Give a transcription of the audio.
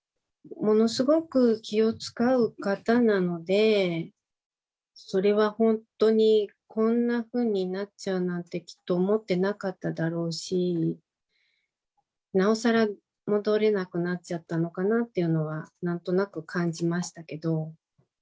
ものすごく気を遣う方なので、それは本当に、こんなふうになっちゃうなんて、きっと思ってなかっただろうし、なおさら戻れなくなっちゃったのかなっていうのは、なんとなく感じましたけど。